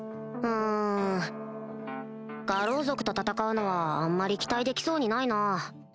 うん牙狼族と戦うのはあんまり期待できそうにないな